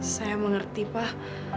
saya mengerti pak